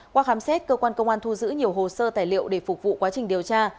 qua khám xét cơ quan công an thu giữ nhiều hồ sơ tài liệu để phục vụ quá trình điều tra